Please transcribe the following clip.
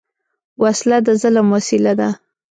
وسله د ظلم وسیله ده